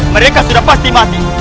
mereka sudah pasti mati